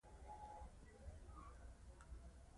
مړي له قبرونو نه راوتل شول.